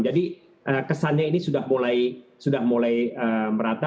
jadi kesannya ini sudah mulai merata